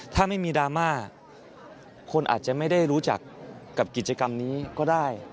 ถ้าไม่มีดราม่าคนอาจจะไม่ได้รู้จักกับกิจกรรมนี้ก็ได้